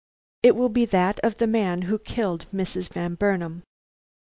It will be that of the man who killed Mrs. Van Burnam."